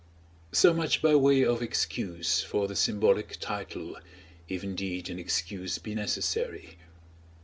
So much by way of excuse for the symbolic title, if indeed an excuse be necessary.